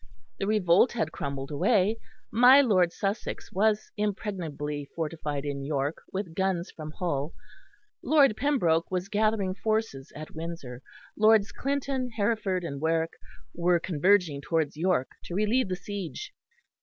The revolt had crumbled away; my Lord Sussex was impregnably fortified in York with guns from Hull; Lord Pembroke was gathering forces at Windsor; Lords Clinton, Hereford and Warwick were converging towards York to relieve the siege.